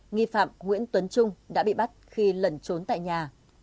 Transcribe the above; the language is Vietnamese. nghi phạm nguyễn tuấn trung đã bị bắt khi lẩn trốn tại nhà